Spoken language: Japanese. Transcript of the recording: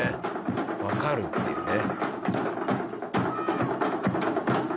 わかるっていうね。